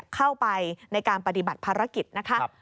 เข้าไปในการปฏิบัติภารกิจนะคะ